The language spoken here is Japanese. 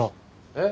えっ？